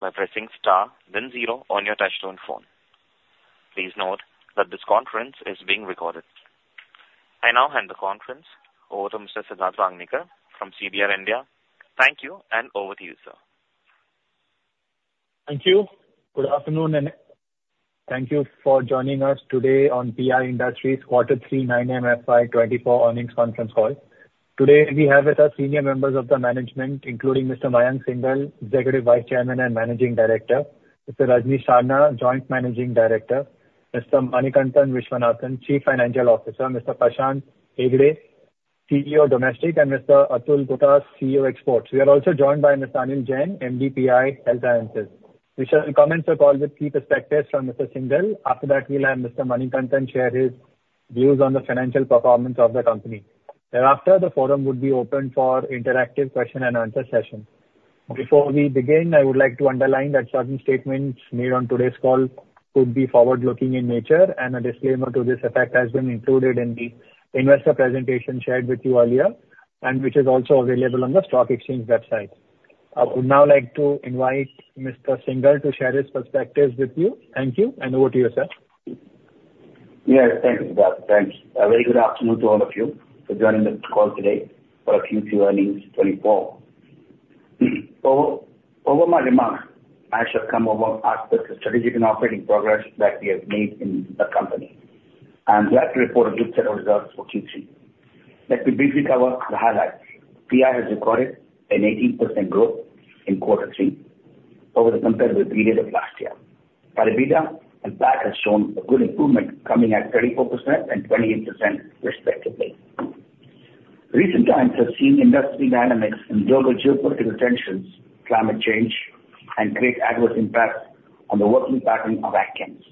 By pressing star, then zero on your touch-tone phone. Please note that this conference is being recorded. I now hand the conference over to Mr. Siddharth Rangnekar from CDR India. Thank you, and over to you, sir. Thank you. Good afternoon, and thank you for joining us today on PI Industries Quarter 3 9M FY24 earnings conference call. Today we have with us senior members of the management, including Mr. Mayank Singhal, Executive Vice Chairman and Managing Director, Mr. Rajnish Sarna, Joint Managing Director, Mr. Manikantan Viswanathan, Chief Financial Officer, Mr. Prashant Hegde, CEO Domestic, and Mr. Atul Gupta, CEO Exports. We are also joined by Mr. Anil Jain, PI Health Sciences. We shall commence the call with key perspectives from Mr. Singhal. After that, we'll have Mr. Manikantan share his views on the financial performance of the company. Thereafter, the forum would be open for interactive question-and-answer sessions. Before we begin, I would like to underline that certain statements made on today's call could be forward-looking in nature, and a disclaimer to this effect has been included in the investor presentation shared with you earlier, and which is also available on the stock exchange website. I would now like to invite Mr. Singhal to share his perspectives with you. Thank you, and over to you, sir. Yes, thank you, Siddharth. Thanks. A very good afternoon to all of you for joining the call today for Q3 earnings 2024. Over my remarks, I shall cover aspects of strategic and operating progress that we have made in the company, and we have to report a good set of results for Q3. Let me briefly cover the highlights. PI has recorded an 18% growth in Quarter 3 over the comparative period of last year. CSM and domestic have shown a good improvement coming at 34% and 28%, respectively. Recent times have seen industry dynamics in global geopolitical tensions, climate change, and great adverse impacts on the working pattern of accounts.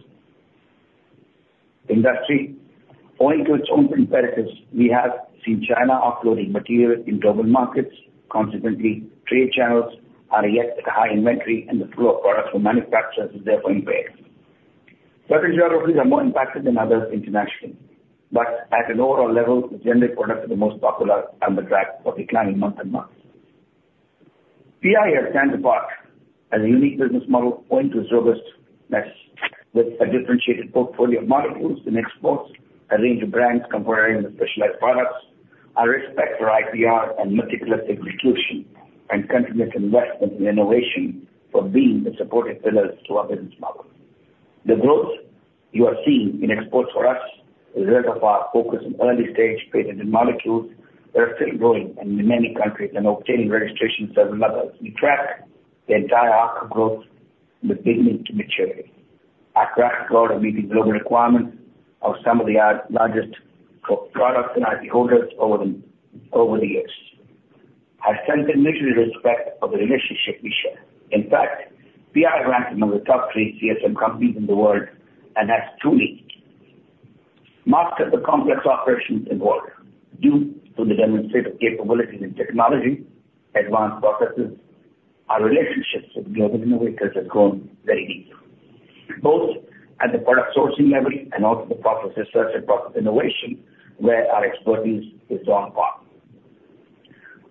Industry, owing to its own imperatives, we have seen China offloading material in global markets. Consequently, trade channels are yet at a high inventory, and the flow of products from manufacturers is therefore impaired. Certain geographies are more impacted than others internationally, but at an overall level, the general products are the most popular on the track of declining month-on-month. PI stands apart as a unique business model owing to its robustness, with a differentiated portfolio of molecules in exports, a range of brands comprising the specialized products, a respect for IPR and meticulous execution, and continuous investment in innovation for being the supportive pillars to our business model. The growth you are seeing in exports for us is a result of our focus in early-stage patented molecules that are still growing in many countries and obtaining registration in several others. We track the entire arc of growth from the beginning to maturity, at a rapid order meeting global requirements of some of the largest products and IP holders over the years. I sense immediately respect for the relationship we share. In fact, PI ranks among the top three CSM companies in the world and has truly mastered the complex operations involved. Due to the demonstrative capabilities in technology, advanced processes, our relationships with global innovators have grown very deep, both at the product sourcing level and also the process research and process innovation, where our expertise is on par.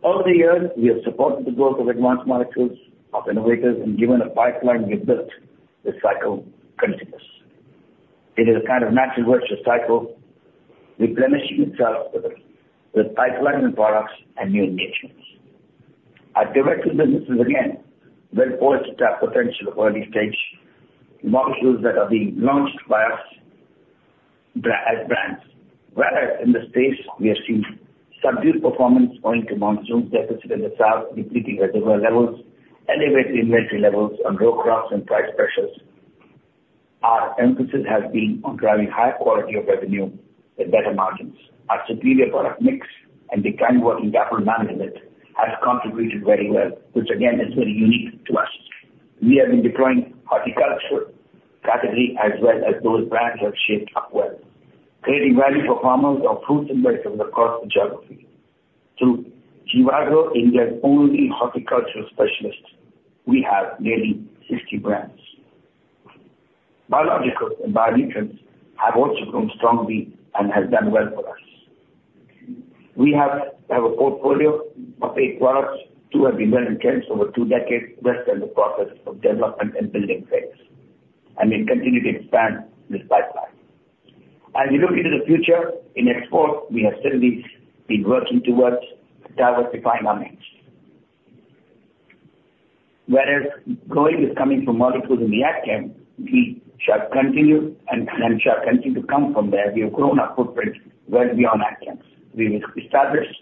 Over the years, we have supported the growth of advanced molecules of innovators and given a pipeline we have built. This cycle continues. It is a kind of natural virtuous cycle replenishing itself with pipelines and products and new engagements. Our direct businesses, again, well poised to tap potential early-stage molecules that are being launched by us as brands. Whereas in the space, we have seen subdued performance owing to monsoon deficit in the south depleting reservoir levels, elevated inventory levels on row crops, and price pressures, our emphasis has been on driving higher quality of revenue with better margins. Our superior product mix and declining working capital management have contributed very well, which again is very unique to us. We have been deploying horticulture category as well as those brands have shaped up well, creating value for farmers of fruits and berries across the geography. Through Jivagro, India's only horticultural specialist, we have nearly 60 brands. Biologicals and bionutrients have also grown strongly and have done well for us. We have a portfolio of eight products. Two have been well-entrenched over two decades, rest in the process of development and building phase, and we continue to expand this pipeline. As we look into the future in exports, we have steadily been working towards diversifying our niche. Whereas growth is coming from molecules in the AgChem, we shall continue and shall continue to come from there. We have grown our footprint well beyond AgChem. We've established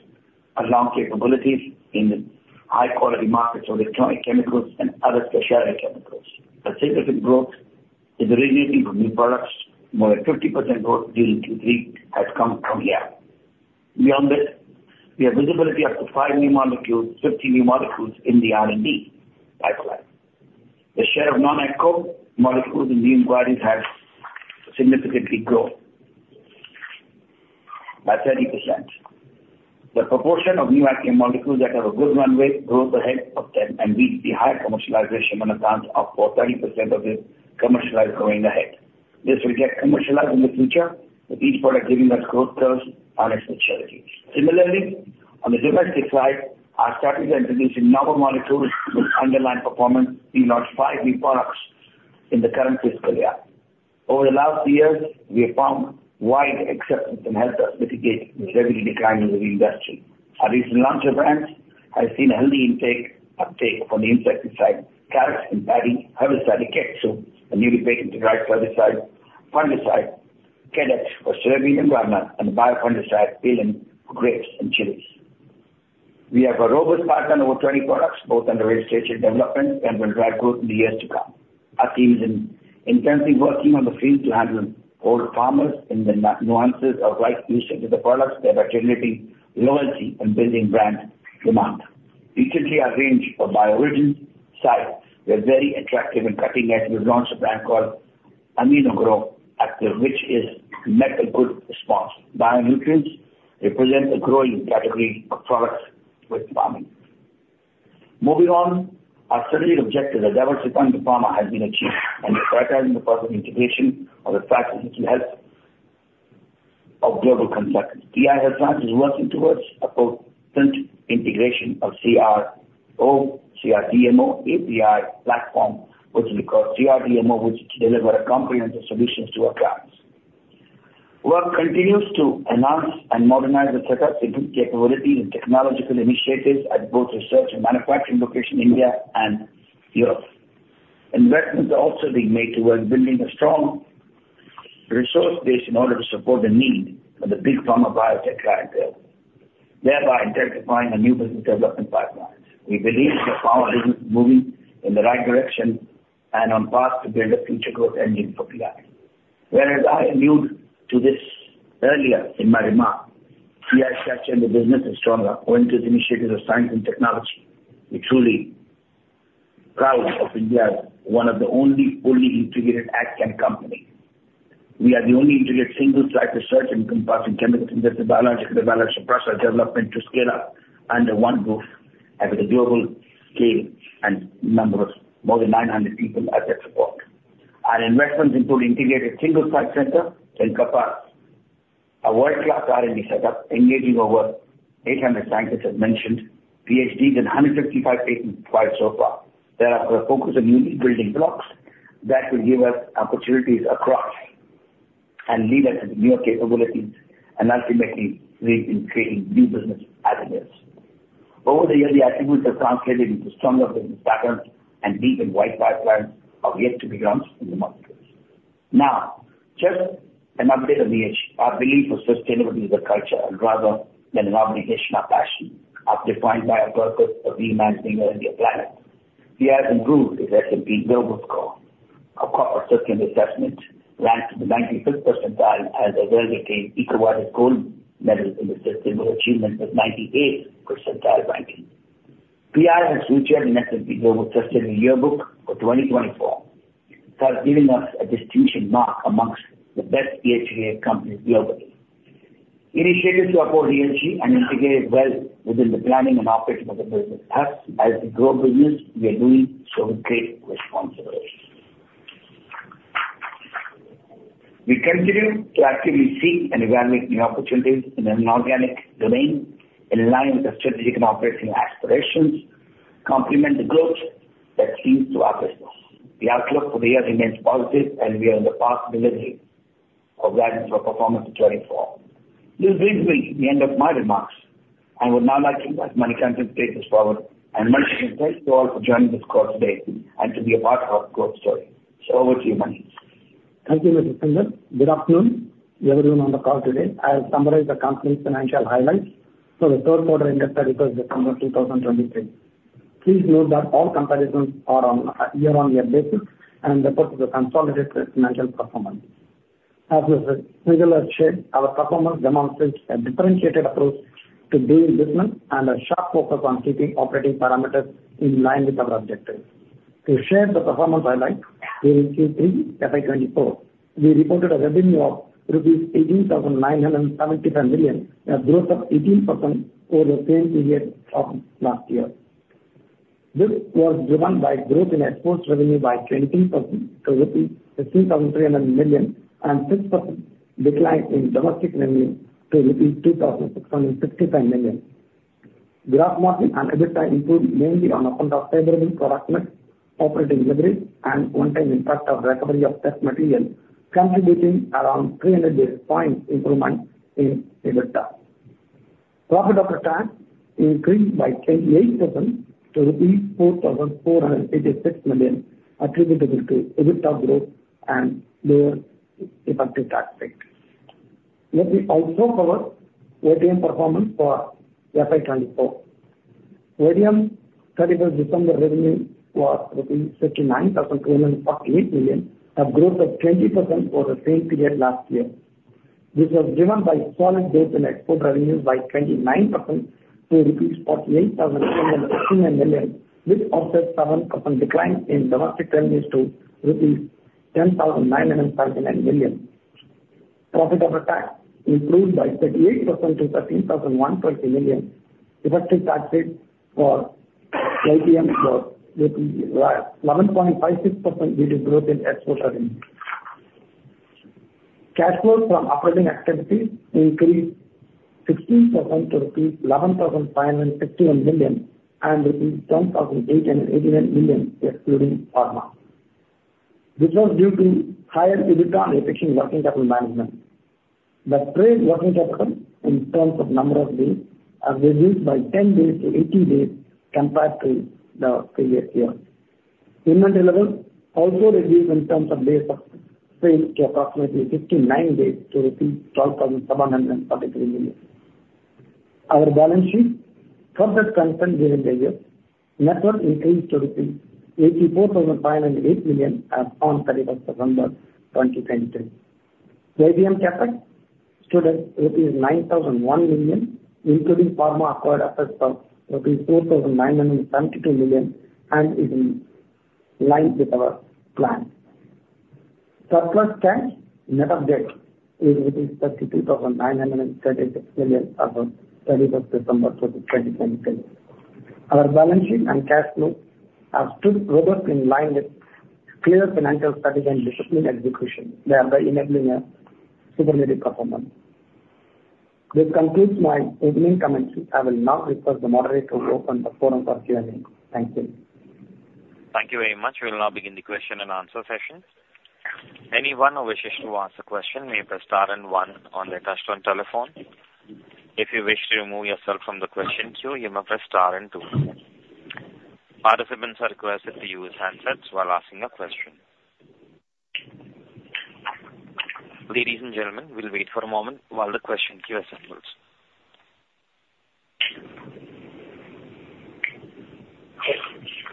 a strong capability in high-quality markets for electronic chemicals and other specialty chemicals. A significant growth is originating from new products. More than 50% growth during Q3 has come from here. Beyond this, we have visibility up to 5 new molecules, 50 new molecules in the R&D pipeline. The share of non-AgChem molecules in new inquiries has significantly grown by 30%. The proportion of new AgChem molecules that have a good runway grows ahead of them and reach the higher commercialization amount of 30% of their commercialized growth ahead. This will get commercialized in the future with each product giving us growth curves on its maturity. Similarly, on the domestic side, our strategy is introducing novel molecules with underlying performance. We launched five new products in the current fiscal year. Over the last years, we have found wide acceptance and helped us mitigate revenue decline in the industry. Our recent launch of brands has seen a healthy uptake from the insecticide, Claret and paddy, herbicide, Eketsu, a newly patented rice herbicide, fungicide, Kadett for soybean and gram and a biofungicide Piilin for grapes and chilies. We have a robust pipeline of over 20 products, both under registration development and will drive growth in the years to come. Our team is intensively working on the field to handhold all farmers in the nuances of right usage of the products that are generating loyalty and building brand demand. Recently, our range of bio-origin solutions is very attractive and cutting-edge. We've launched a brand called Aminogrow Activ, which has met with good response. Bionutrients represent a growing category of products within farming. Moving on, our strategic objective of diversifying to pharma has been achieved and prioritizing the process integration of the practices with the help of global consultants. PI Health Sciences is working towards a potent integration of CRDMO API platform, which we call CRDMO, which delivers comprehensive solutions to our clients. Work continues to enhance and modernize the setups, capabilities, and technological initiatives at both research and manufacturing locations in India and Europe. Investments are also being made towards building a strong resource base in order to support the needs of the big pharma biotech clientele, thereby identifying a new business development pipeline. We believe the pharma business is moving in the right direction and on path to build a future growth engine for PI. Whereas I alluded to this earlier in my remarks, PI's structure in the business is stronger owing to the initiatives of science and technology. We're truly proud of India as one of the only fully integrated CRDMO companies. We are the only integrated single-site research and commercial chemicals industry biological solutions process development to scale up under one roof at a global scale and number of more than 900 people at that support. Our investments include integrated single-site center in Udaipur, a world-class R&D setup engaging over 800 scientists as mentioned, PhDs, and 155 patents filed so far. There are focused and unique building blocks that will give us opportunities across and lead us to the newer capabilities and ultimately lead in creating new business avenues. Over the years, the attributes have translated into stronger business patterns and deep and wide pipelines of yet-to-be growth in the markets. Now, just an update on the issue. Our belief was sustainability is a culture rather than an obligation, a passion defined by a purpose of remanaging the planet. PI has improved its S&P Global Score of Corporate Sustainability Assessment, ranked in the 95th percentile as a well-retained eco-warrior gold medal in the system with achievements of 98th percentile ranking. PI has reached an S&P Global Sustainability Yearbook for 2024, thus giving us a distinction mark amongst the best ESG companies globally. Initiatives to uphold ESG and integrate well within the planning and operation of the business, thus as the growth business we are doing shows great responsibility. We continue to actively seek and evaluate new opportunities in an organic domain in line with our strategic and operational aspirations to complement the growth that we see in our business. The outlook for the year remains positive, and we are on the path to delivering value for FY24. This brings me to the end of my remarks, and I would now like to invite Manikantan to take this forward. And Manikantan, thanks to all for joining this call today and to be a part of our growth story. So over to you, Manik. Thank you, Mr. Singhal. Good afternoon, everyone on the call today. I'll summarize the company's financial highlights for the third quarter results reported December 2023. Please note that all comparisons are on a year-on-year basis and reporting of the consolidated financial performance. As Mr. Singhal has shared, our performance demonstrates a differentiated approach to doing business and a sharp focus on keeping operating parameters in line with our objectives. To share the performance highlights during Q3 FY24, we reported a revenue of rupees 18,975 million, a growth of 18% over the same period of last year. This was driven by growth in exports revenue by 23% to rupees 15,300 million and 6% decline in domestic revenue to rupees 2,665 million. Gross margin and EBITDA improved mainly on account of favorable product mix, operating leverage, and one-time impact of recovery of test material, contributing around 300 basis points improvement in EBITDA. Profit after tax increased by 28% to rupees 4,486 million, attributable to EBITDA growth and lower effective tax rate. Let me also cover 9M performance for FY24. 9M's 31st December revenue was rupees 69,248 million, a growth of 20% over the same period last year. This was driven by solid growth in export revenues by 29% to rupees 48,269 million, which offset 7% decline in domestic revenues to rupees 10,979 million. Profit after tax improved by 38% to 13,120 million. Effective tax rate for 9M was 11.56% due to growth in export revenue. Cash flow from operating activities increased 16% to 11,561 million and rupees 10,889 million, excluding pharma. This was due to higher EBITDA on efficient working capital management. The trade working capital, in terms of number of days, has reduced by 10 days to 18 days compared to the previous year. Inventory level also reduced in terms of days of sales to approximately 59 days to 12,743 million. Our balance sheet, current as constant during the year, net worth increased to rupees 84,508 million as on 31st December 2023. 9M CapEx stood at rupees 9,001 million, including pharma acquired assets of rupees 4,972 million and is in line with our plan. Surplus cash net of debt is 32,936 million as of 31st December 2023. Our balance sheet and cash flow have stood robust in line with clear financial strategy and discipline execution, thereby enabling a superlative performance. This concludes my opening commentary. I will now request the moderator to open the forum for Q&A. Thank you. Thank you very much. We will now begin the question and answer session. Anyone who wishes to answer a question may press star and one on their touchscreen telephone. If you wish to remove yourself from the question queue, you may press star and two. Participants are requested to use handsets while asking a question. Ladies and gentlemen, we'll wait for a moment while the question queue assembles.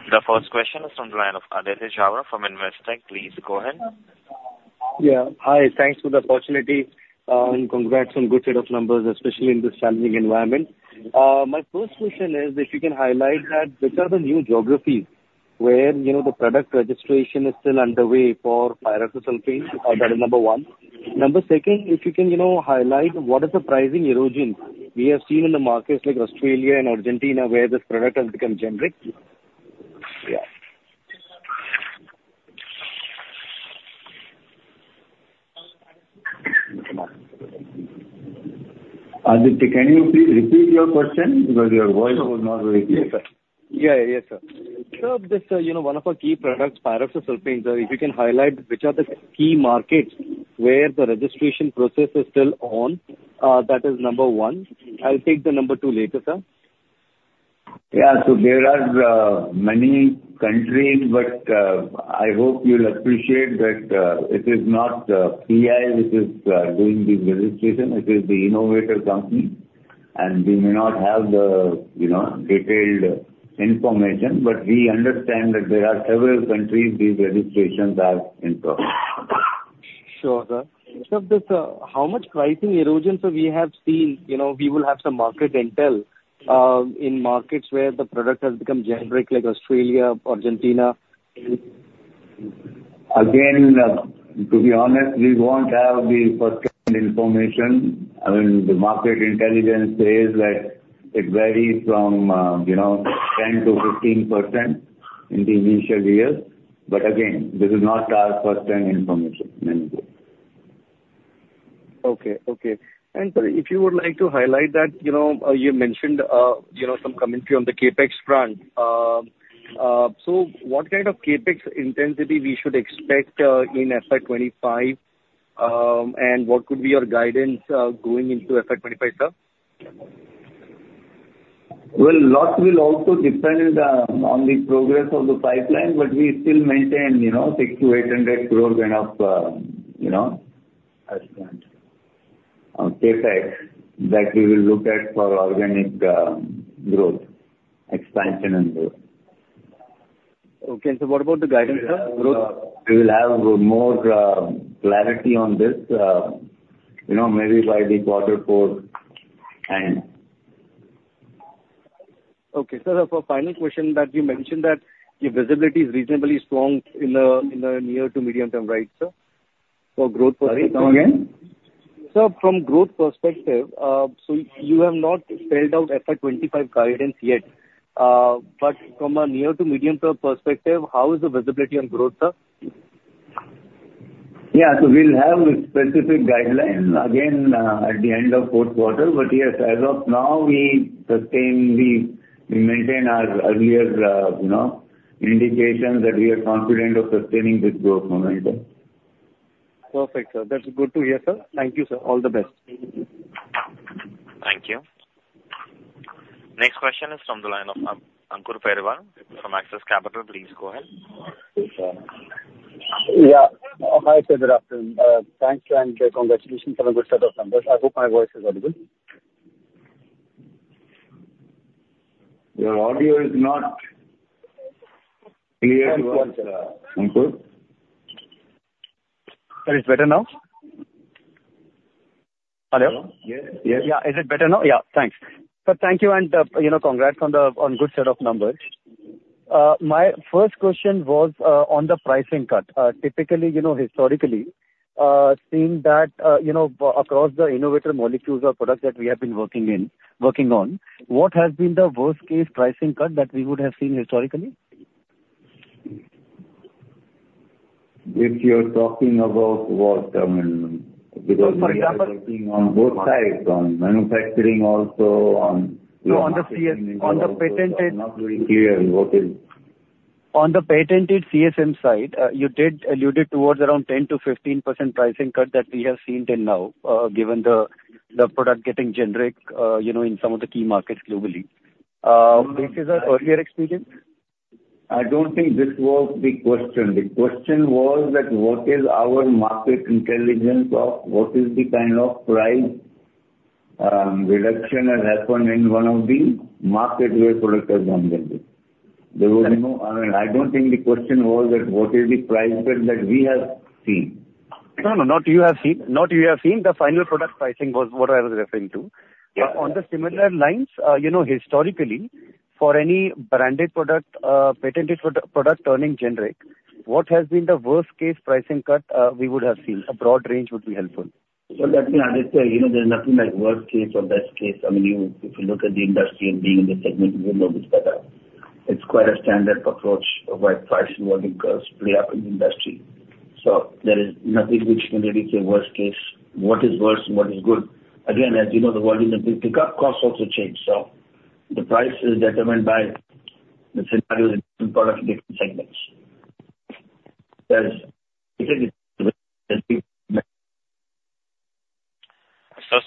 The first question is from the line of Aditya Jhawar from Investec. Please go ahead. Yeah. Hi. Thanks for the opportunity and congrats on a good set of numbers, especially in this challenging environment. My first question is if you can highlight that which are the new geographies where the product registration is still underway for Pyroxasulfone? That is number one. Number second, if you can highlight what is the pricing erosion we have seen in the markets like Australia and Argentina where this product has become generic? Yeah. Aditya, can you please repeat your question because your voice was not very clear? Yes, sir. Yeah, yeah, yes, sir. Sir, this is one of our key products, Pyroxasulfone. Sir, if you can highlight which are the key markets where the registration process is still on, that is number one. I'll take the number two later, sir. Yeah. So there are many countries, but I hope you'll appreciate that it is not PI which is doing this registration. It is the innovator company, and we may not have the detailed information, but we understand that there are several countries these registrations are in process. Sure, sir. Sir, how much pricing erosion, sir, we have seen? We will have some market intel in markets where the product has become generic like Australia, Argentina? Again, to be honest, we won't have the first-hand information. I mean, the market intelligence says that it varies from 10%-15% in the initial years. But again, this is not our first-hand information, mainly. Okay. Okay. And sir, if you would like to highlight that, you mentioned some commentary on the CapEx front. So what kind of CapEx intensity we should expect in FY25, and what could be your guidance going into FY25, sir? Well, a lot will also depend on the progress of the pipeline, but we still maintain 6 crore-800 crore kind of CapEx that we will look at for organic growth expansion and growth. Okay. What about the guidance, sir? Growth? We will have more clarity on this, maybe by the quarter four, and. Okay. Sir, for final question, you mentioned that your visibility is reasonably strong in the near to medium term, right, sir, for growth perspective? Sorry. Come again? Sir, from growth perspective, so you have not spelled out FY25 guidance yet. But from a near to medium term perspective, how is the visibility on growth, sir? Yeah. So we'll have a specific guideline, again, at the end of fourth quarter. But yes, as of now, we maintain our earlier indications that we are confident of sustaining this growth momentum. Perfect, sir. That's good to hear, sir. Thank you, sir. All the best. Thank you. Next question is from the line of Ankur Periwal from Axis Capital. Please go ahead. Yeah. Hi, sir. Good afternoon. Thanks and congratulations on a good set of numbers. I hope my voice is audible. Your audio is not clear to us, Ankur. Sir, is it better now? Hello? Yes, yes. Yeah. Is it better now? Yeah. Thanks. Sir, thank you and congrats on a good set of numbers. My first question was on the pricing cut. Typically, historically, seeing that across the innovator molecules or products that we have been working on, what has been the worst-case pricing cut that we would have seen historically? If you're talking about what? I mean, because we are working on both sides, on manufacturing also, on. On the patented, not very clear what is. On the patented CSM side, you did allude towards around 10%-15% pricing cut that we have seen till now, given the product getting generic in some of the key markets globally. This is our earlier experience? I don't think this was the question. The question was that what is our market intelligence of what is the kind of price reduction that happened in one of the markets where product has gone generic? I mean, I don't think the question was that what is the price cut that we have seen. No, no. Not what you've seen. The final product pricing was what I was referring to. On similar lines, historically, for any branded product, patented product turning generic, what has been the worst-case pricing cut we would have seen? A broad range would be helpful. So that's why I did say there's nothing like worst case or best case. I mean, if you look at the industry and being in the segment, you will know which cut out. It's quite a standard approach of what price and volume curves play out in the industry. So there is nothing which can really say worst case, what is worse and what is good. Again, as you know, the volume and pickup costs also change. So the price is determined by the scenarios in different products, different segments. Sir,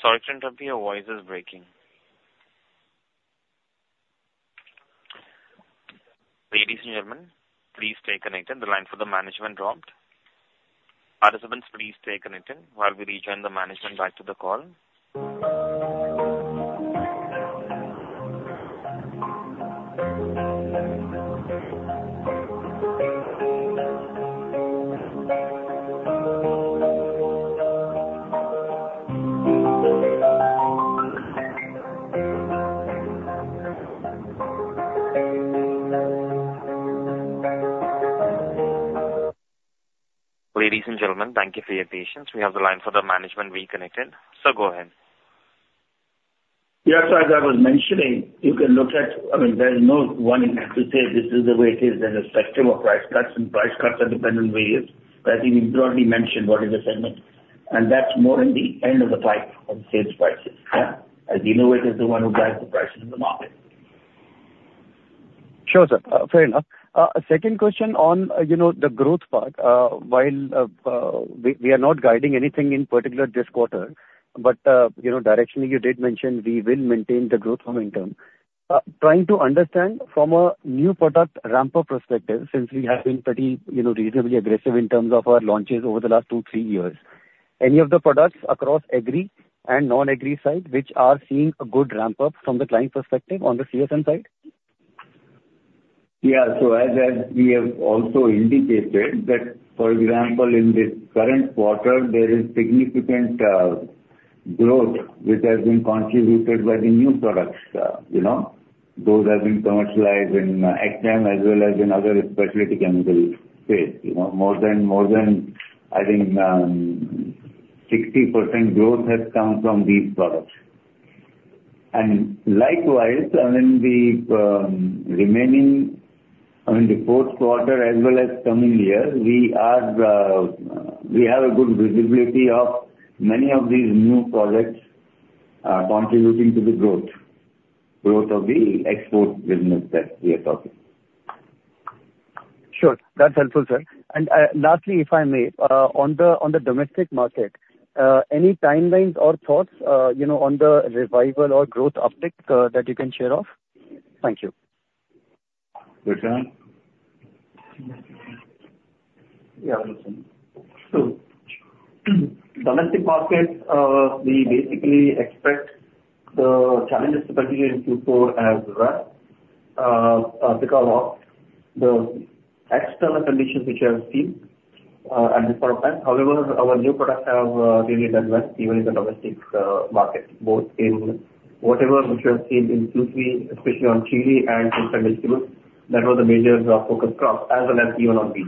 sorry to interrupt you. Your voice is breaking. Ladies and gentlemen, please stay connected. The line for the management dropped. Participants, please stay connected while we rejoin the management back to the call. Ladies and gentlemen, thank you for your patience. We have the line for the management reconnected. Sir, go ahead. Yes. As I was mentioning, you can look at—I mean, there's no one who has to say this is the way it is irrespective of price cuts, and price cuts are dependent on various. But I think we broadly mentioned what is the segment. And that's more in the end of the pipe of sales prices, yeah, as the innovator is the one who drives the prices in the market. Sure, sir. Fair enough. Second question on the growth part, while we are not guiding anything in particular this quarter, but directionally, you did mention we will maintain the growth momentum. Trying to understand from a new product ramp-up perspective, since we have been pretty reasonably aggressive in terms of our launches over the last two, three years, any of the products across agri and non-agri side which are seeing a good ramp-up from the client perspective on the CSM side? Yeah. So as we have also indicated, that, for example, in this current quarter, there is significant growth which has been contributed by the new products, those that have been commercialized in EXAM as well as in other specialty chemical space. More than, I think, 60% growth has come from these products. And likewise, I mean, the remaining I mean, the fourth quarter as well as coming year, we have a good visibility of many of these new products contributing to the growth of the export business that we are talking. Sure. That's helpful, sir. Lastly, if I may, on the domestic market, any timelines or thoughts on the revival or growth uptick that you can share off? Thank you. Yes, sir. Yeah. So domestic markets, we basically expect the challenges to continue in Q4 as well because of the external conditions which we have seen at this point of time. However, our new products have really done well, even in the domestic market, both in whatever which we have seen in Q3, especially on chili and fresh vegetables. That was the major focus crop as well as even on wheat.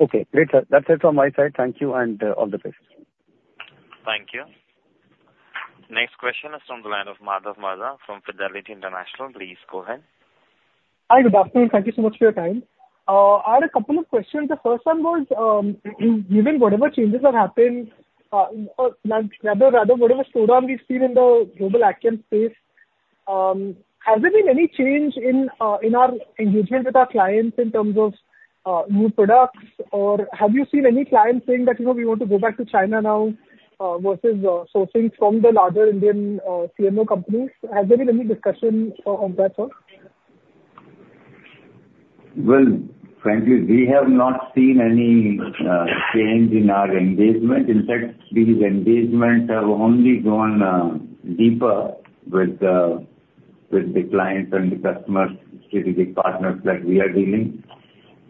Okay. Great, sir. That's it from my side. Thank you and all the best. Thank you. Next question is from the line of Madhav Marda from Fidelity International. Please go ahead. Hi. Good afternoon. Thank you so much for your time. I had a couple of questions. The first one was, given whatever changes that happened rather, whatever slowdown we've seen in the global agchem space, has there been any change in our engagement with our clients in terms of new products? Or have you seen any clients saying that we want to go back to China now versus sourcing from the larger Indian CMO companies? Has there been any discussion on that, sir? Well, frankly, we have not seen any change in our engagement. In fact, these engagements have only gone deeper with the clients and the customers, strategic partners that we are dealing with.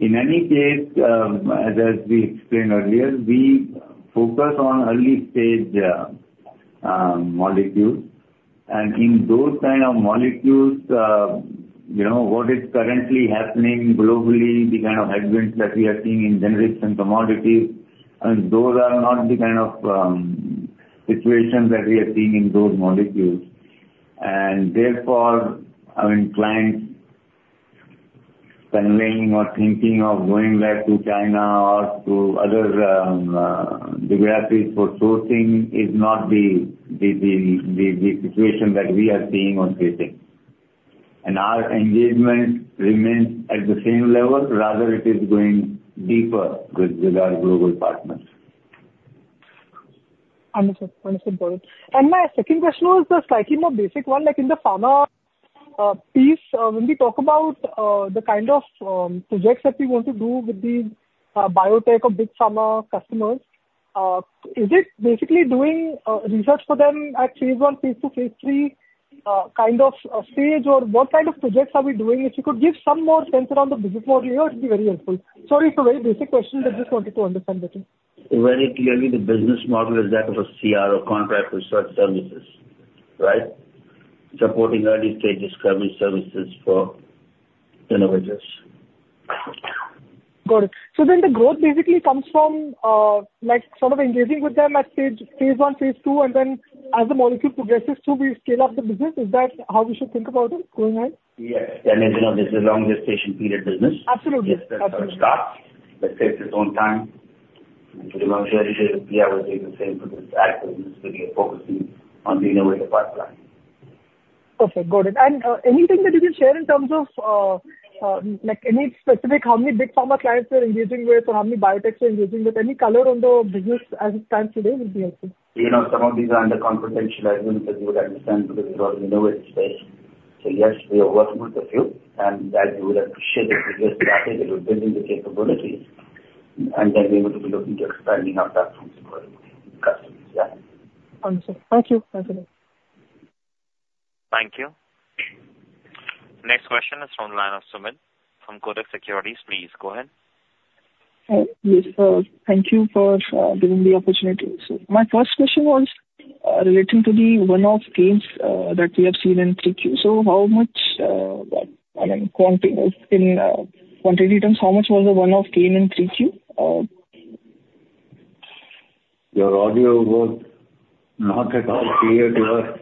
In any case, as we explained earlier, we focus on early-stage molecules. And in those kind of molecules, what is currently happening globally, the kind of headwinds that we are seeing in generics and commodities, I mean, those are not the kind of situations that we are seeing in those molecules. And therefore, I mean, clients conveying or thinking of going back to China or to other geographies for sourcing is not the situation that we are seeing or facing. And our engagement remains at the same level. Rather, it is going deeper with our global partners. I understand. I understand both. My second question was a slightly more basic one. In the pharma piece, when we talk about the kind of projects that we want to do with these biotech or big pharma customers, is it basically doing research for them at phase one, phase two, phase three kind of stage, or what kind of projects are we doing? If you could give some more sense around the business model here, it would be very helpful. Sorry, it's a very basic question. I just wanted to understand better. Very clearly, the business model is that of a CRO, contract research services, right, supporting early-stage discovery services for innovators. Got it. So then the growth basically comes from sort of engaging with them at phase one, phase two, and then as the molecule progresses too, we scale up the business. Is that how we should think about it? Going ahead. Yes. I mean, this is a long gestation period business. Absolutely. It's a start that takes its own time. And pretty much yeah, we'll do the same for this AXION space, focusing on the innovator pipeline. Okay. Got it. And anything that you can share in terms of any specific how many big pharma clients you're engaging with or how many biotechs you're engaging with? Any color on the business as it stands today would be helpful. Some of these are under confidentializing, as you would understand, because it's all in the innovator space. So yes, we are working with a few, and as you would appreciate, if we just started, we were building the capabilities, and then we would be looking to expanding our platforms to other customers, yeah? Understood. Thank you. Thank you. Thank you. Next question is from the line of Sumit from Kotak Securities. Please go ahead. Yes. Thank you for giving the opportunity. So my first question was relating to the one-off gains that we have seen in 3Q. So how much I mean, quantity terms, how much was the one-off gain in 3Q? Your audio was not clear to us.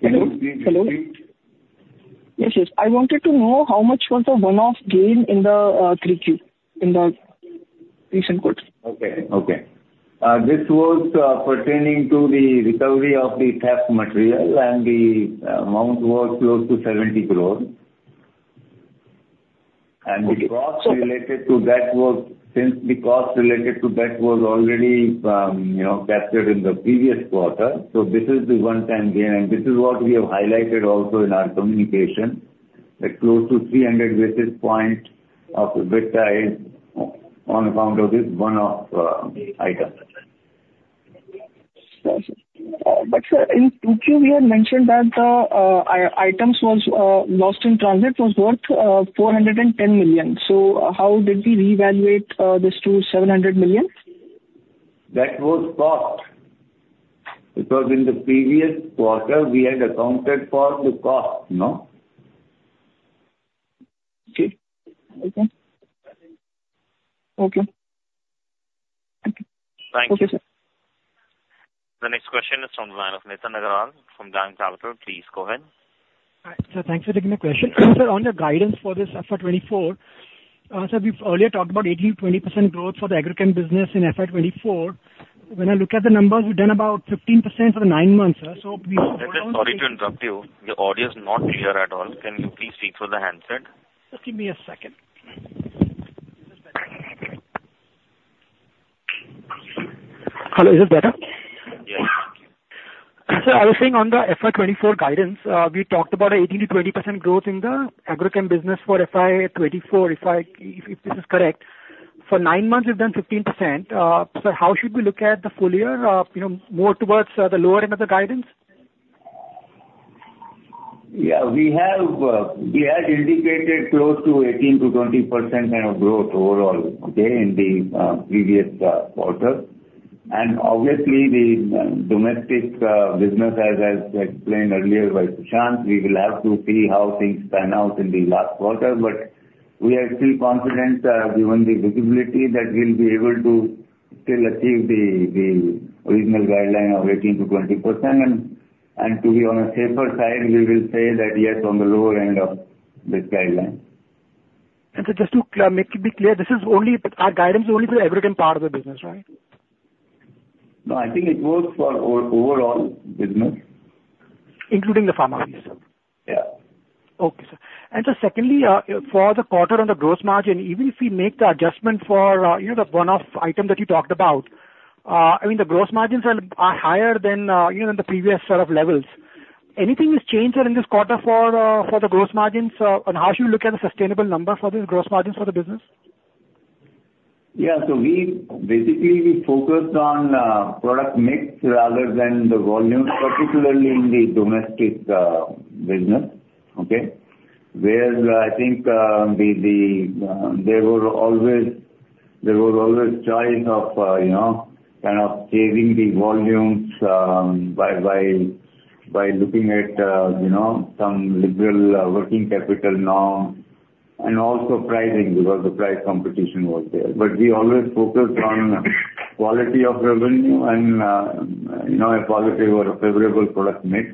Hello? Yes, yes. I wanted to know how much was the one-off gain in the 3Q, in the recent quarter? Okay. This was pertaining to the recovery of the theft material and the amount was close to INR 70 crore. The cost related to that was already captured in the previous quarter. This is the one-time gain. This is what we have highlighted also in our communication, that close to 300 basis points of EBITDA is on account of this one-off item. Perfect. But sir, in 2Q, we had mentioned that the items lost in transit was worth 410 million. So how did we reevaluate this to 700 million? That was cost. Because in the previous quarter, we had accounted for the cost, no? Okay. Okay. Okay. Thank you. Okay, sir. The next question is from the line of Nitin Agarwal from DAM Capital. Please go ahead. All right. So thanks for taking the question. Sir, on your guidance for this FY24, sir, we've earlier talked about 80%-20% growth for the agrochem business in FY24. When I look at the numbers, we've done about 15% for the nine months, sir. So we've put on the. Sorry to interrupt you. Your audio is not clear at all. Can you please speak through the handset? Just give me a second. Hello. Is this better? Yes. Thank you. Sir, I was saying on the FY24 guidance, we talked about an 18%-20% growth in the agrochem business for FY24, if this is correct. For nine months, we've done 15%. Sir, how should we look at the full year, more towards the lower end of the guidance? Yeah. We had indicated close to 18%-20% kind of growth overall, okay, in the previous quarter. And obviously, the domestic business, as I explained earlier by Prashant, we will have to see how things pan out in the last quarter. But we are still confident, given the visibility, that we'll be able to still achieve the original guideline of 18%-20%. And to be on a safer side, we will say that yes, on the lower end of this guideline. Sir, just to be clear, this is only our guidance is only for the agrochem part of the business, right? No. I think it works for overall business. Including the pharma piece, sir? Yeah. Okay, sir. And so secondly, for the quarter on the gross margin, even if we make the adjustment for the one-off item that you talked about, I mean, the gross margins are higher than the previous sort of levels. Anything has changed, sir, in this quarter for the gross margins? And how should we look at the sustainable number for these gross margins for the business? Yeah. So basically, we focused on product mix rather than the volume, particularly in the domestic business, okay, where I think there was always choice of kind of saving the volumes by looking at some liberal working capital norms and also pricing because the price competition was there. But we always focused on quality of revenue and a positive or a favorable product mix.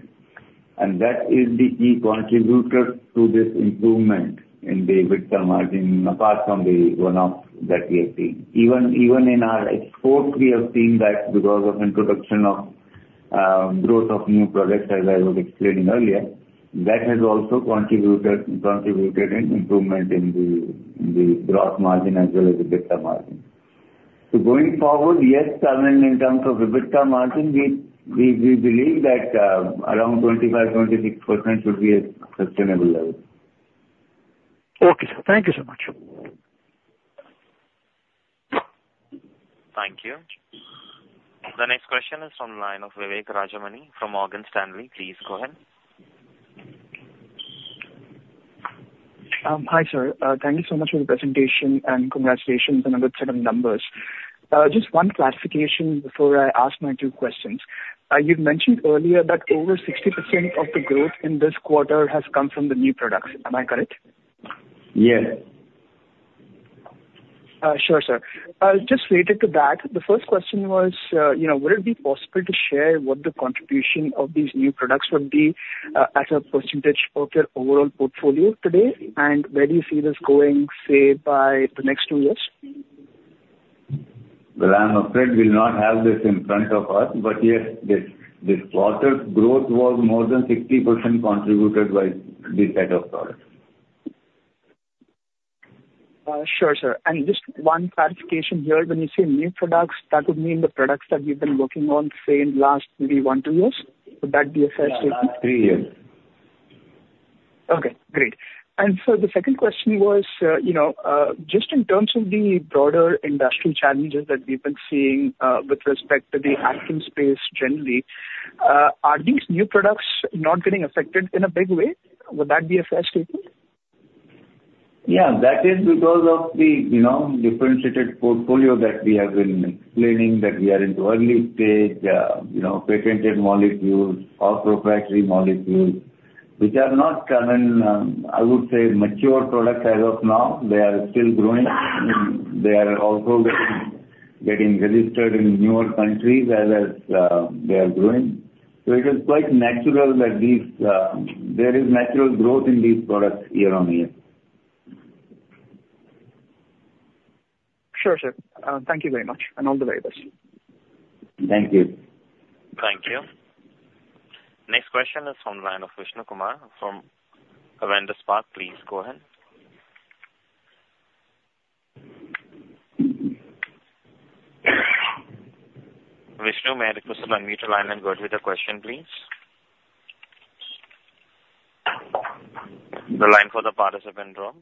And that is the key contributor to this improvement in the EBITDA margin apart from the one-off that we have seen. Even in our export, we have seen that because of introduction of growth of new products, as I was explaining earlier, that has also contributed to improvement in the gross margin as well as the EBITDA margin. So going forward, yes, I mean, in terms of the EBITDA margin, we believe that around 25%-26% should be a sustainable level. Okay, sir. Thank you so much. Thank you. The next question is from the line of Vivek Rajamani from Morgan Stanley. Please go ahead. Hi, sir. Thank you so much for the presentation and congratulations on a good set of numbers. Just one clarification before I ask my two questions. You've mentioned earlier that over 60% of the growth in this quarter has come from the new products. Am I correct? Yes. Sure, sir. Just related to that, the first question was, would it be possible to share what the contribution of these new products would be as a percentage of your overall portfolio today? And where do you see this going, say, by the next two years? I'm afraid we'll not have this in front of us. Yes, this quarter's growth was more than 60% contributed by this set of products. Sure, sir. Just one clarification here. When you say new products, that would mean the products that you've been working on, say, in the last maybe one, two years. Would that be a fair statement? Yeah. Three years. Okay. Great. And so the second question was, just in terms of the broader industrial challenges that we've been seeing with respect to the AXION space generally, are these new products not getting affected in a big way? Would that be a fair statement? Yeah. That is because of the differentiated portfolio that we have been explaining, that we are into early-stage patented molecules or proprietary molecules, which are not common, I would say, mature products as of now. They are still growing. They are also getting registered in newer countries as they are growing. So it is quite natural that there is natural growth in these products year on year. Sure, sir. Thank you very much and all the very best. Thank you. Thank you. Next question is from the line of Vishnu Kumar from Avendus Spark. Please go ahead. Vishnu, may I request to unmute the line and go ahead with the question, please? The line for the participant dropped.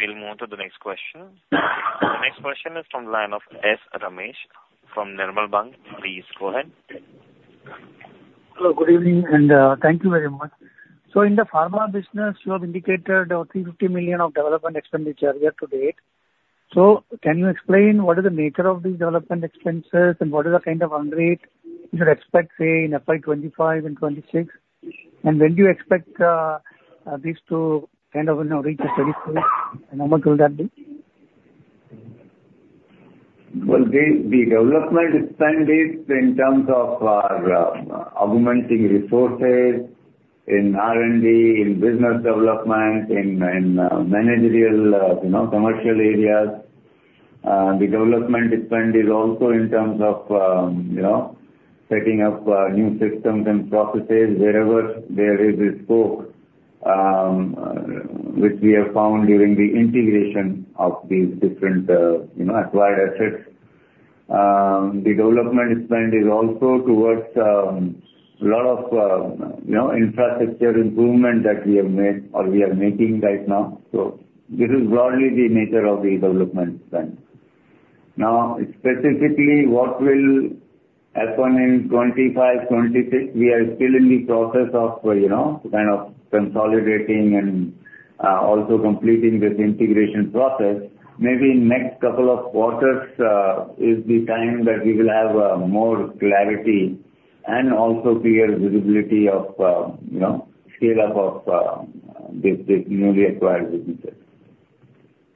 We'll move to the next question. The next question is from the line of S. Ramesh from Nirmal Bang. Please go ahead. Hello. Good evening. And thank you very much. In the pharma business, you have indicated 350 million of development expenditure year to date. Can you explain what is the nature of these development expenses and what is the kind of run rate you should expect, say, in FY25 and 2026? And when do you expect these to kind of reach the 25th? And how much will that be? Well, the development expenditure in terms of augmenting resources in R&D, in business development, in managerial commercial areas, the development expenditure also in terms of setting up new systems and processes wherever there is a scope which we have found during the integration of these different acquired assets. The development expenditure is also towards a lot of infrastructure improvement that we have made or we are making right now. So this is broadly the nature of the development expense. Now, specifically, what will happen in 2025, 2026? We are still in the process of kind of consolidating and also completing this integration process. Maybe next couple of quarters is the time that we will have more clarity and also clear visibility of scale-up of these newly acquired businesses.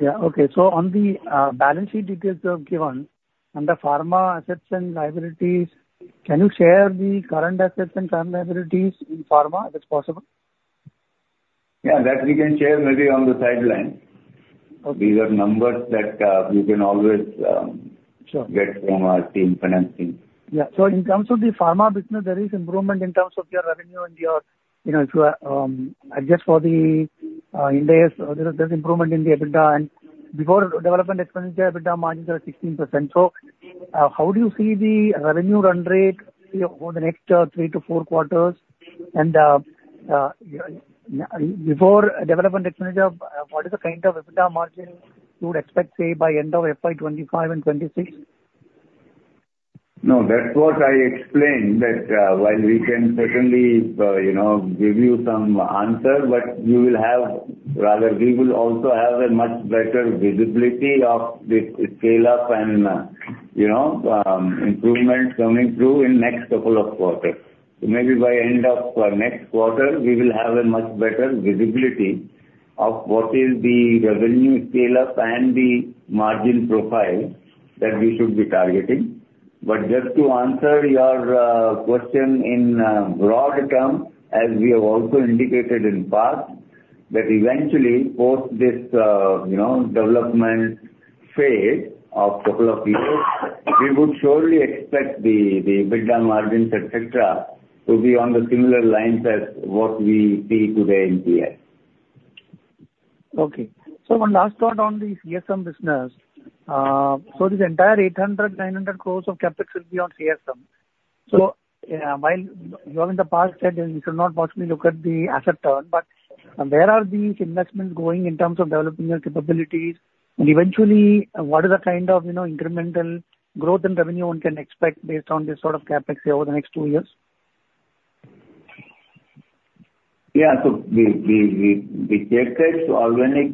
Yeah. Okay. So on the balance sheet details that are given under Pharma assets and liabilities, can you share the current assets and current liabilities in Pharma, if it's possible? Yeah. That we can share maybe on the sideline. These are numbers that you can always get from our team financing. Yeah. So in terms of the pharma business, there is improvement in terms of your revenue and your EBITDA, if you adjust for the one-offs, there's improvement in the EBITDA. And before development expenditure, EBITDA margins are 16%. So how do you see the revenue run rate over the next three to four quarters? And before development expenditure, what is the kind of EBITDA margin you would expect, say, by end of FY2025 and 2026? No. That's what I explained, that while we can certainly give you some answer, but you will have rather, we will also have a much better visibility of this scale-up and improvement coming through in next couple of quarters. So maybe by end of next quarter, we will have a much better visibility of what is the revenue scale-up and the margin profile that we should be targeting. But just to answer your question in broad term, as we have also indicated in past, that eventually, post this development phase of a couple of years, we would surely expect the EBITDA margins, etc., to be on the similar lines as what we see today in PS. Okay. One last thought on the CSM business. This entire 800-900 crores of CapEx will be on CSM. While you have in the past said we should not possibly look at the asset turn, but where are these investments going in terms of developing your capabilities? And eventually, what is the kind of incremental growth and revenue one can expect based on this sort of CapEx over the next two years? Yeah. So the organic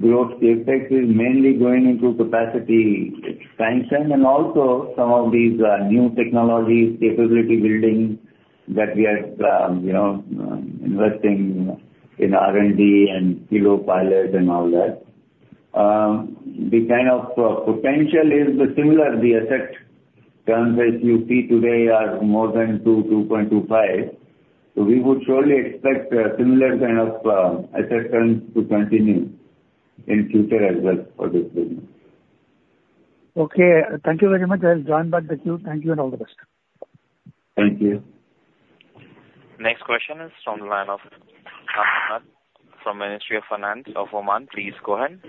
growth CapEx is mainly going into capacity expansion and also some of these new technologies, capability building that we are investing in R&D and pilot and all that. The kind of potential is similar. The asset terms as you see today are more than 2, 2.25. So we would surely expect similar kind of asset terms to continue in future as well for this business. Okay. Thank you very much. I'll join back the queue. Thank you and all the best. Thank you. Next question is from the line of Mohammad from Ministry of Finance of Oman. Please go ahead.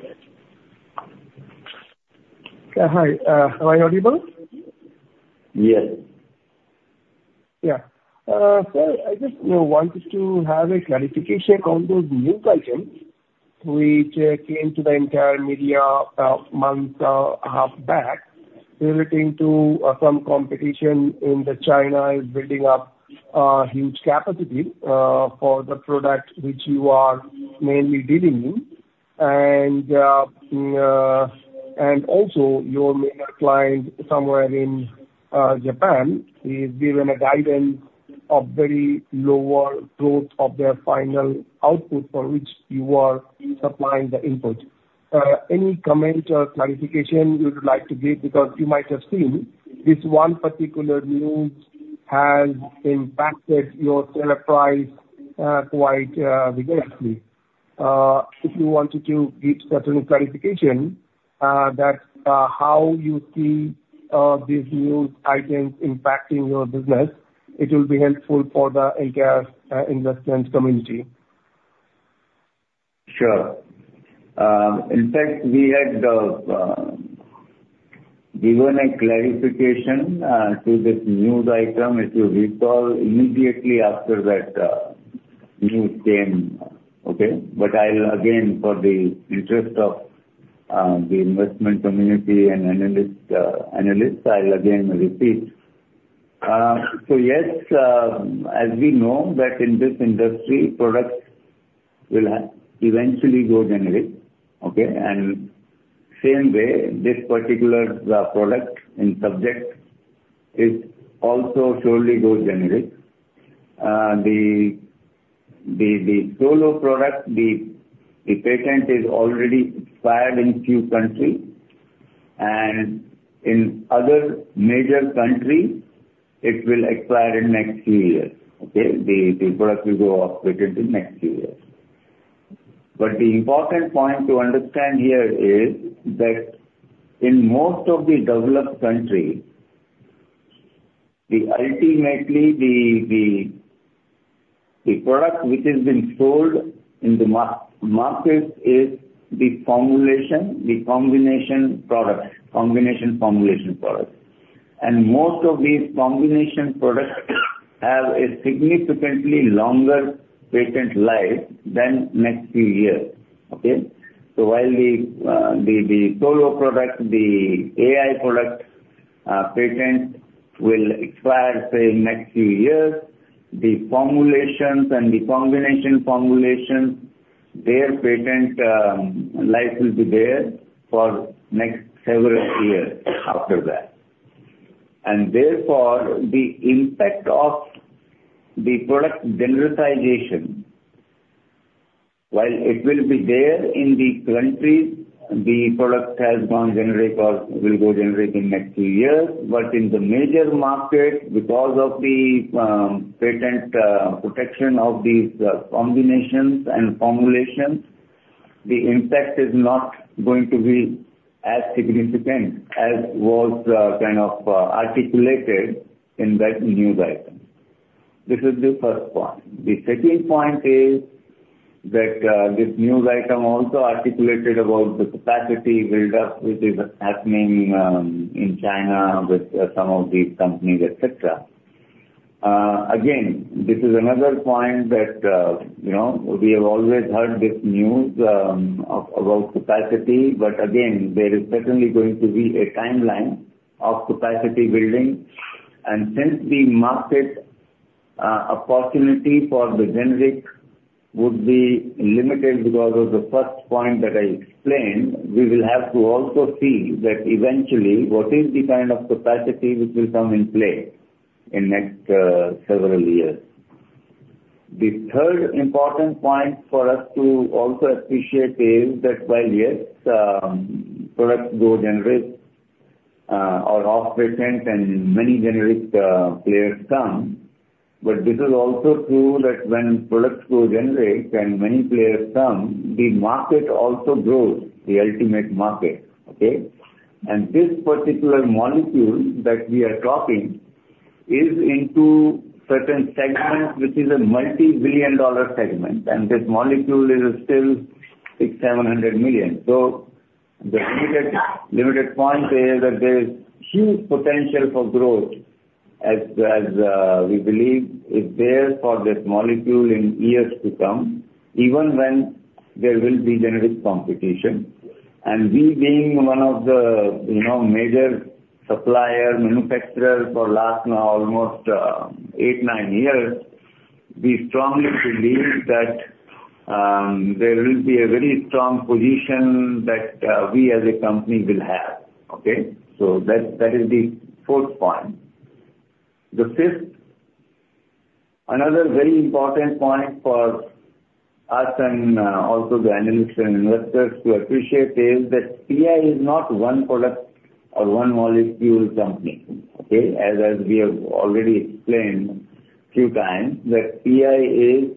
Hi. Am I audible? Yes. Yeah. Sir, I just wanted to have a clarification on those news items which came to the entire media a month and a half back relating to some competitor in China is building up huge capacity for the product which you are mainly dealing in. And also, your major client somewhere in Japan has given a guidance of very low growth of their final output for which you are supplying the input. Any comment or clarification you would like to give? Because you might have seen this one particular news has impacted your share price quite vigorously. If you wanted to give certain clarification that how you see these news items impacting your business, it will be helpful for the entire investment community. Sure. In fact, we had given a clarification to this news item, if you recall, immediately after that news came, okay? But again, for the interest of the investment community and analysts, I'll again repeat. So yes, as we know that in this industry, products will eventually go generic, okay? And same way, this particular product in subject is also surely going generic. The solo product, the patent is already expired in a few countries. And in other major countries, it will expire in next few years, okay? The product will go off patent in next few years. But the important point to understand here is that in most of the developed countries, ultimately, the product which has been sold in the market is the formulation, the combination product, combination formulation product. And most of these combination products have a significantly longer patent life than next few years, okay? So while the solo product, the AI product patent will expire, say, next few years, the formulations and the combination formulations, their patent life will be there for next several years after that. And therefore, the impact of the product generalization, while it will be there in the countries, the product has gone generic or will go generic in next few years. But in the major market, because of the patent protection of these combinations and formulations, the impact is not going to be as significant as was kind of articulated in that news item. This is the first point. The second point is that this news item also articulated about the capacity buildup which is happening in China with some of these companies, etc. Again, this is another point that we have always heard this news about capacity. But again, there is certainly going to be a timeline of capacity building. And since the market opportunity for the generic would be limited because of the first point that I explained, we will have to also see that eventually, what is the kind of capacity which will come in play in next several years? The third important point for us to also appreciate is that while yes, products go generic or off patent and many generic players come, but this is also true that when products go generic and many players come, the market also grows, the ultimate market, okay? And this particular molecule that we are talking is into certain segments which is a multi-billion dollar segment. And this molecule is still $600-$700 million. So the limited point is that there is huge potential for growth as we believe is there for this molecule in years to come, even when there will be generic competition. And we being one of the major supplier, manufacturer for last almost 8-9 years, we strongly believe that there will be a very strong position that we as a company will have, okay? So that is the fourth point. The fifth, another very important point for us and also the analysts and investors to appreciate is that PI is not one product or one molecule company, okay? As we have already explained a few times, that PI is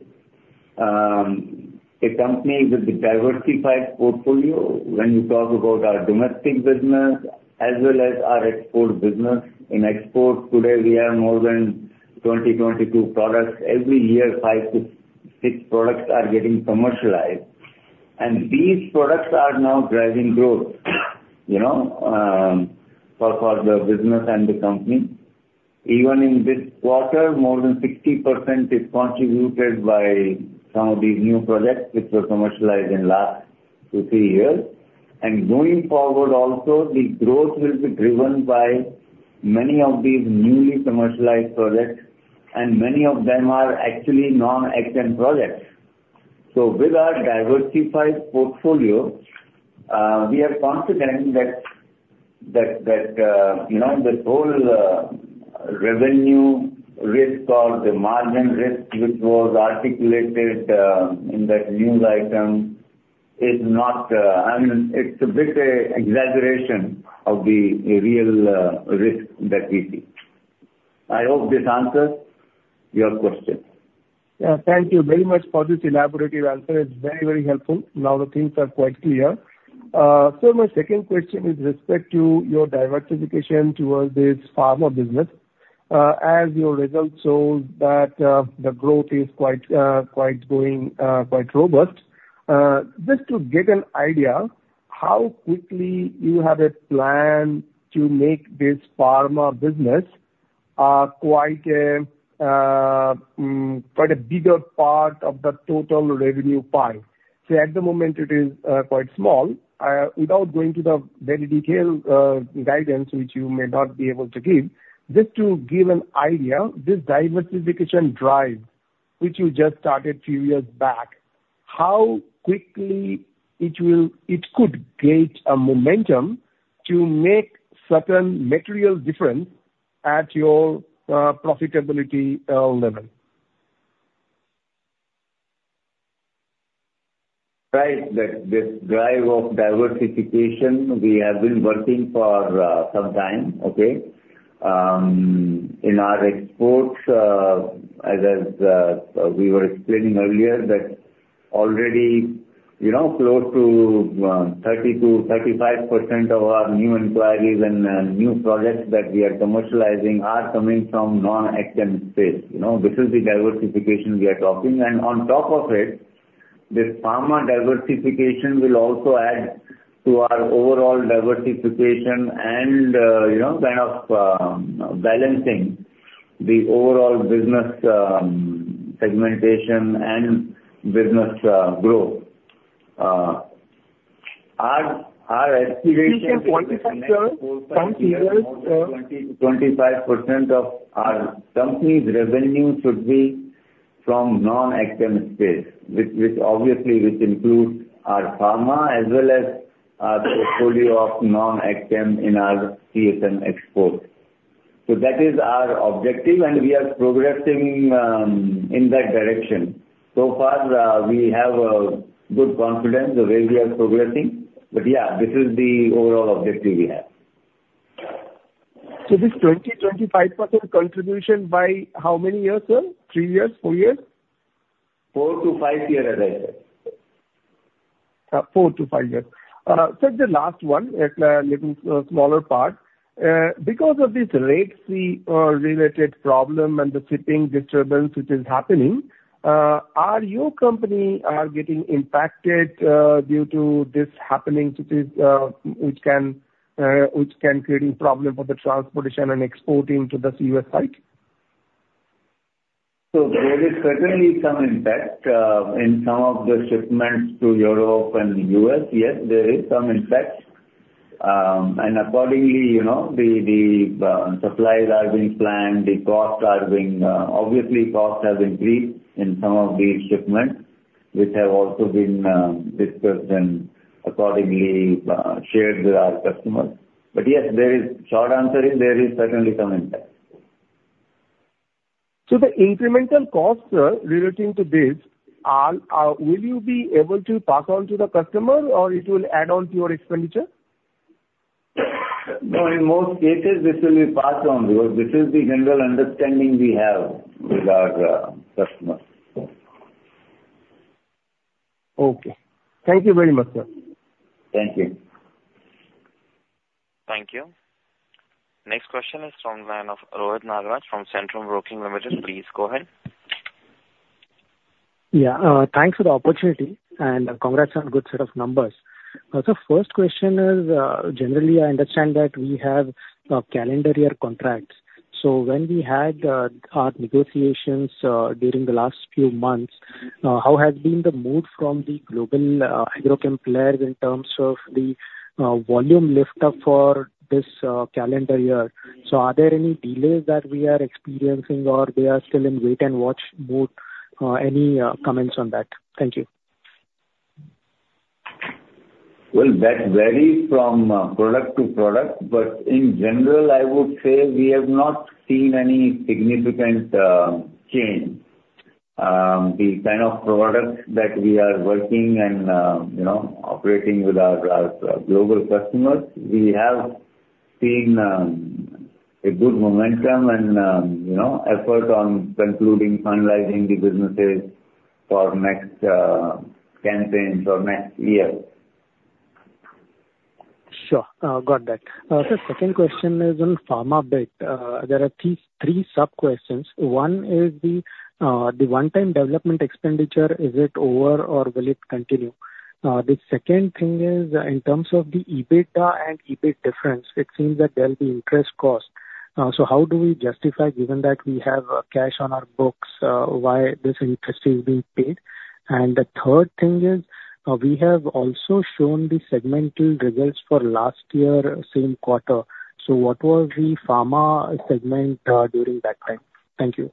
a company with a diversified portfolio. When you talk about our domestic business as well as our export business, in export today, we have more than 20-22 products. Every year, 5-6 products are getting commercialized. And these products are now driving growth for the business and the company. Even in this quarter, more than 60% is contributed by some of these new projects which were commercialized in last two, three years. And going forward also, the growth will be driven by many of these newly commercialized projects. And many of them are actually non-ACTEN projects. So with our diversified portfolio, we are confident that this whole revenue risk or the margin risk which was articulated in that news item is not I mean, it's a bit of an exaggeration of the real risk that we see. I hope this answers your question. Yeah. Thank you very much for this elaborative answer. It's very, very helpful. Now the things are quite clear. Sir, my second question is with respect to your diversification towards this pharma business. As your results show, the growth is quite going quite robust. Just to get an idea, how quickly do you have a plan to make this pharma business quite a bigger part of the total revenue pie? So at the moment, it is quite small. Without going to the very detailed guidance which you may not be able to give, just to give an idea, this diversification drive which you just started a few years back, how quickly it could gain a momentum to make certain material difference at your profitability level? Right. This drive of diversification, we have been working for some time, okay? In our exports, as we were explaining earlier, that already close to 30%-35% of our new inquiries and new projects that we are commercializing are coming from non-ACTEN space. This is the diversification we are talking. And on top of it, this pharma diversification will also add to our overall diversification and kind of balancing the overall business segmentation and business growth. Our aspiration is. You said 25, sir? 20%-25% of our company's revenue should be from non-ACTEN space, obviously, which includes our pharma as well as our portfolio of non-ACTEN in our CSM exports. So that is our objective. We are progressing in that direction. So far, we have good confidence the way we are progressing. But yeah, this is the overall objective we have. So this 20%-25% contribution by how many years, sir? 3 years, 4 years? 4-5 years, as I said. 4-5 years. Sir, the last one, a little smaller part. Because of this Red Sea-related problem and the shipping disturbance which is happening, are your company getting impacted due to this happening which can create problems for the transportation and exporting to the CSM site? So there is certainly some impact in some of the shipments to Europe and the US. Yes, there is some impact. And accordingly, the supplies are being planned. Costs have increased in some of these shipments which have also been discussed and accordingly shared with our customers. But yes, the short answer is there is certainly some impact. The incremental costs, sir, relating to this, will you be able to pass on to the customer, or it will add on to your expenditure? No, in most cases, this will be passed on because this is the general understanding we have with our customers. Okay. Thank you very much, sir. Thank you. Thank you. Next question is from the line of Rohit Nagraj from Centrum Broking Limited. Please go ahead. Yeah. Thanks for the opportunity. Congrats on a good set of numbers. Sir, first question is, generally, I understand that we have calendar year contracts. So when we had our negotiations during the last few months, how has been the mood from the global agrochemical players in terms of the volume lift-up for this calendar year? So are there any delays that we are experiencing, or they are still in wait-and-watch mood? Any comments on that? Thank you. Well, that varies from product to product. In general, I would say we have not seen any significant change. The kind of products that we are working and operating with our global customers, we have seen a good momentum and effort on concluding, finalizing the businesses for next campaigns or next year. Sure. Got that. Sir, second question is on Pharma bit. There are three sub-questions. One is the one-time development expenditure, is it over, or will it continue? The second thing is, in terms of the EBITDA and EBIT difference, it seems that there'll be interest cost. So how do we justify, given that we have cash on our books, why this interest is being paid? And the third thing is, we have also shown the segmental results for last year, same quarter. So what was the Pharma segment during that time? Thank you.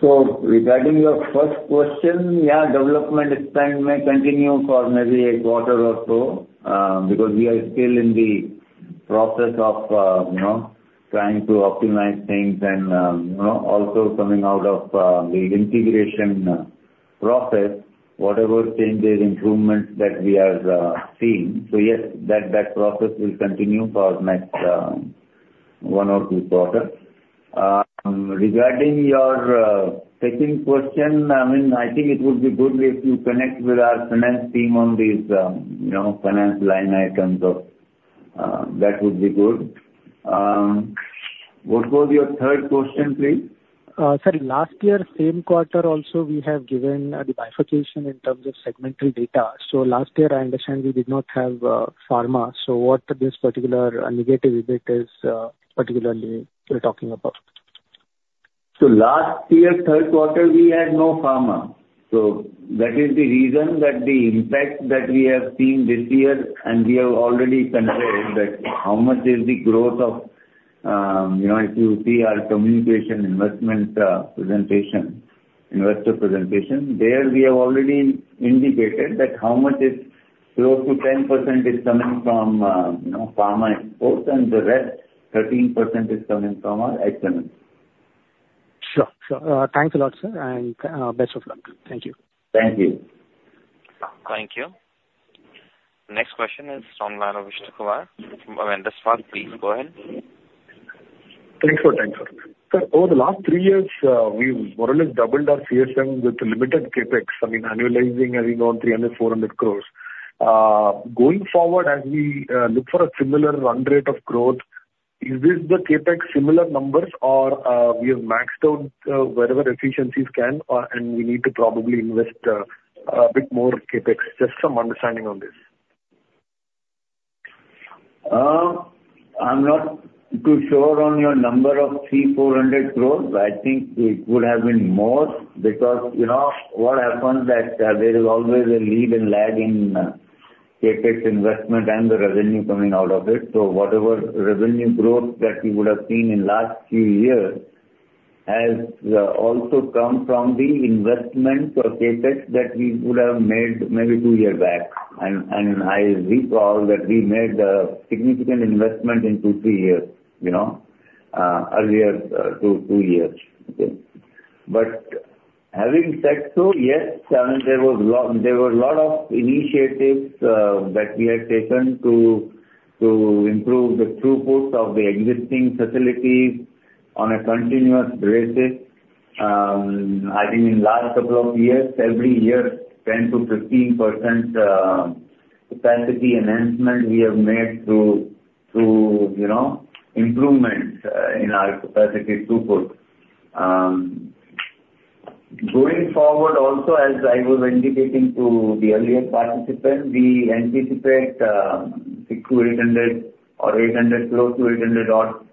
So regarding your first question, yeah, development expense may continue for maybe a quarter or so because we are still in the process of trying to optimize things and also coming out of the integration process, whatever changes, improvements that we are seeing. So yes, that process will continue for next one or two quarters. Regarding your second question, I mean, I think it would be good if you connect with our finance team on these finance line items. That would be good. What was your third question, please? Sir, last year, same quarter also, we have given the bifurcation in terms of segmental data. So last year, I understand we did not have pharma. So what this particular negative EBIT is particularly talking about? So last year, third quarter, we had no pharma. That is the reason that the impact that we have seen this year, and we have already conveyed that how much is the growth of if you see our communication investment presentation, investor presentation, there, we have already indicated that how much is close to 10% is coming from pharma exports, and the rest, 13%, is coming from our ACTEN. Sure. Sure. Thanks a lot, sir, and best of luck. Thank you. Thank you. Thank you. Next question is from Manav Vijay Kumar. I mean, Uncertain, please go ahead. Thanks for that, sir. Sir, over the last three years, we've more or less doubled our CSM with limited CapEx. I mean, annualizing, as you know, 300 crore-400 crore. Going forward, as we look for a similar run rate of growth, is this the CapEx similar numbers, or we have maxed out wherever efficiencies can, and we need to probably invest a bit more CapEx? Just some understanding on this. I'm not too sure on your number of 300-400 crore. I think it would have been more because what happens is that there is always a lead and lag in CapEx investment and the revenue coming out of it. So whatever revenue growth that we would have seen in last few years has also come from the investment or CapEx that we would have made maybe two years back. And I recall that we made a significant investment in two, three years earlier, two years, okay? But having said so, yes, I mean, there were a lot of initiatives that we had taken to improve the throughputs of the existing facilities on a continuous basis. I think in the last couple of years, every year, 10%-15% capacity enhancement we have made through improvements in our capacity throughput. Going forward also, as I was indicating to the earlier participant, we anticipate 600-800 or 800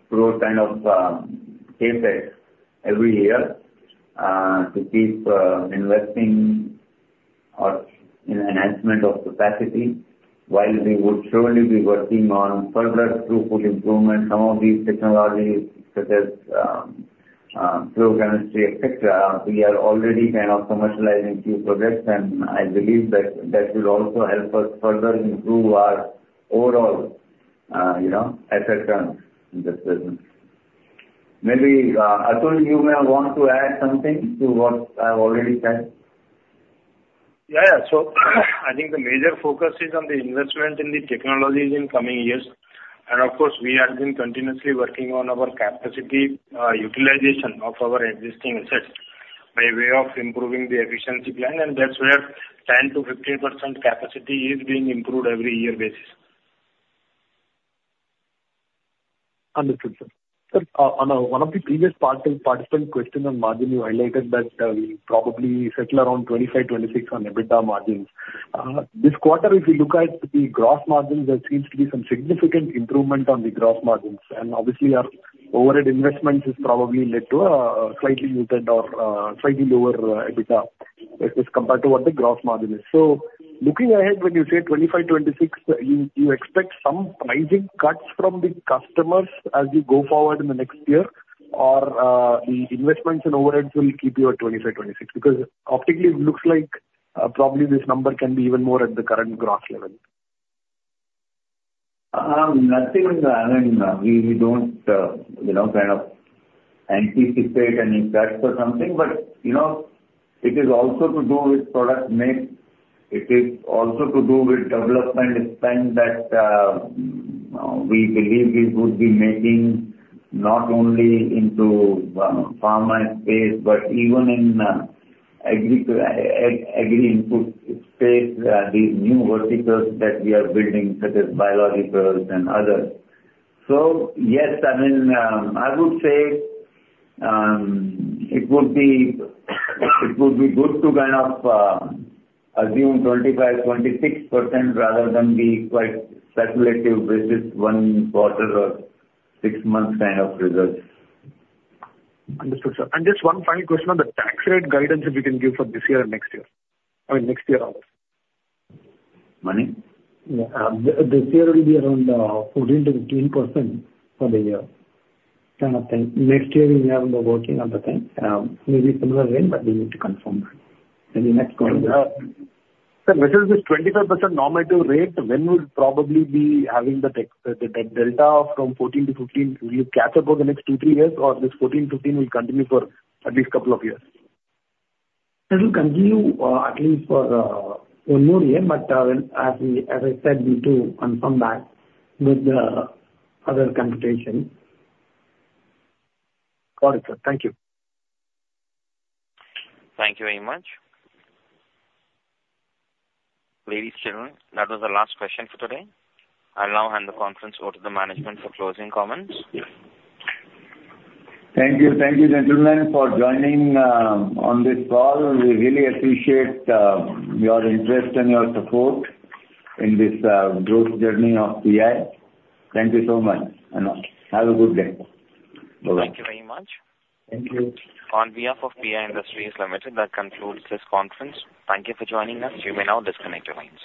crore kind of CapEx every year to keep investing in enhancement of capacity. While we would surely be working on further throughput improvement, some of these technologies such as flow chemistry, etc., we are already kind of commercializing few projects. I believe that that will also help us further improve our overall asset utilization in this business. Maybe, Atul, you may want to add something to what I've already said. Yeah. Yeah. So I think the major focus is on the investment in the technologies in coming years. And of course, we have been continuously working on our capacity utilization of our existing assets by way of improving the efficiency plan. And that's where 10%-15% capacity is being improved every year basis. Understood, sir. Sir, on one of the previous participant questions on margin, you highlighted that we probably settle around 25%-26% EBITDA margins. This quarter, if you look at the gross margins, there seems to be some significant improvement on the gross margins. And obviously, our overhead investments have probably led to a slightly muted or slightly lower EBITDA as compared to what the gross margin is. So looking ahead, when you say 25%-26%, you expect some pricing cuts from the customers as you go forward in the next year, or the investments and overheads will keep you at 25%-26%? Because optically, it looks like probably this number can be even more at the current gross level. Nothing. I mean, we don't kind of anticipate any cuts or something. But it is also to do with product mix. It is also to do with development expense that we believe we would be making not only into pharma space but even in agri-input space, these new verticals that we are building such as biologicals and others. So yes, I mean, I would say it would be good to kind of assume 25%-26% rather than be quite speculative with this one quarter or six months kind of results. Understood, sir. And just one final question on the tax rate guidance if you can give for this year and next year. I mean, next year always. Mani? Yeah. This year, it will be around 14%-15% for the year kind of thing. Next year, we have been working on the thing. Maybe similar rate, but we need to confirm that in the next quarter. Sir, versus this 25% normative rate, when will probably be having the delta from 14%-15%? Will you catch up over the next two, three years, or this 14%-15% will continue for at least a couple of years? It will continue at least for one more year. But as I said, we need to confirm that with the other computation. Got it, sir. Thank you. Thank you very much, ladies, gentlemen. That was the last question for today. I'll now hand the conference over to the management for closing comments. Thank you. Thank you, gentlemen, for joining on this call. We really appreciate your interest and your support in this growth journey of PI. Thank you so much. Have a good day. Bye-bye. Thank you very much. Thank you. On behalf of PI Industries Limited, that concludes this conference. Thank you for joining us. You may now disconnect your lines.